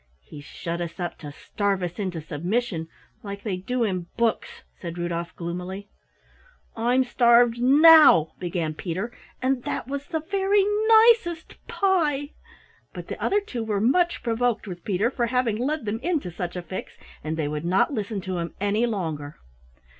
"He's shut us up to starve us into submission, like they do in books," said Rudolf gloomily. "I'm starved now," began Peter, "and that was the very nicest pie!" But the other two were much provoked with Peter for having led them into such a fix, and they would not listen to him any longer.